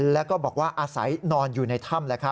แล้วก็บอกว่าอาศัยนอนอยู่ในถ้ำ